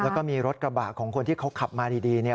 แล้วก็มีรถกระบะของคนที่เขาขับมาดีเนี่ย